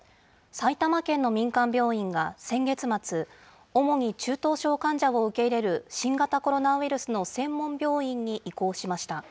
埼玉県の民間病院が先月末、主に中等症患者を受け入れる新型コロナウイルスの専門病院に移行しました。